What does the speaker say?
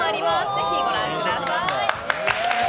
ぜひご覧ください。